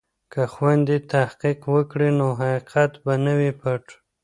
که خویندې تحقیق وکړي نو حقیقت به نه وي پټ.